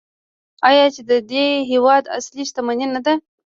آیا چې د دې هیواد اصلي شتمني نه ده؟